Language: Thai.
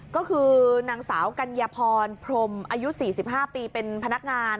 ก็คือนางสาวกัญญาพรพรมอายุ๔๕ปีเป็นพนักงาน